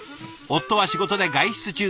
夫は仕事で外出中。